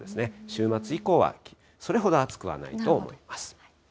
週末以降はそれほど暑くはないと思います。